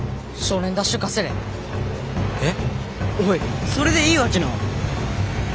おいそれでいいわけなぁ？